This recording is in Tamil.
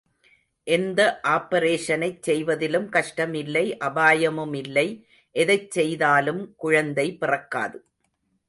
எந்த ஆப்பரேஷனைச் செய்வதிலும் கஷ்டமில்லை, அபாயமுமில்லை, எதைச் செய்தாலும் குழந்தை பிறக்காது.